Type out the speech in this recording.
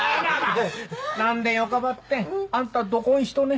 何でんよかばってんあんたどこん人ねん？